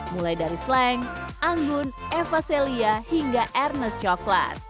mulai dari sleng anggun eva celia hingga ernest chow